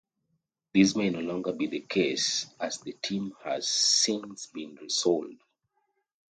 This may no longer be the case as the team has since been resold.